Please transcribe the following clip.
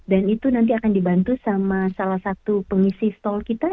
dan itu nanti akan dibantu sama salah satu pengisi stol kita